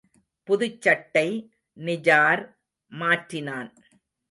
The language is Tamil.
புதுச் சட்டை, நிஜார் மாற்றினான்.